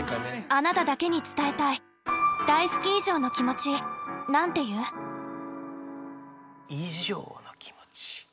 あなただけに伝えたい以上の気持ち。